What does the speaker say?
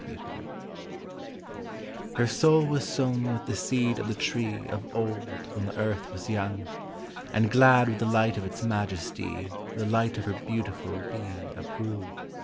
The Dryad Her soul was sown with the seed of the tree Of old when the earth was young, And glad with the light of its majesty The light of her beautiful being upgrew.